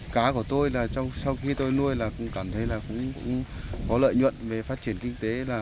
cá của tôi sau khi tôi nuôi cũng cảm thấy có lợi nhuận về phát triển kinh tế